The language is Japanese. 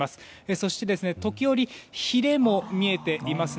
そして、時折ひれも見えていますね。